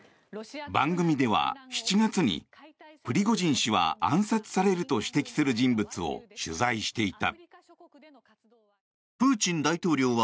番組では７月にプリゴジン氏は暗殺されると指摘する人物を取材していた。